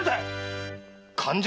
勘定